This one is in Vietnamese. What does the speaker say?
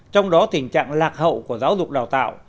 trong đó tình trạng lạc hậu của giáo dục đào tạo